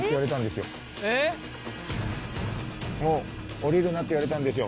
降りるなって言われたんですよ。